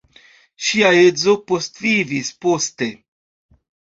Ŝia edzo postvivis poste.